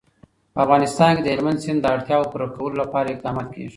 په افغانستان کې د هلمند سیند د اړتیاوو پوره کولو لپاره اقدامات کېږي.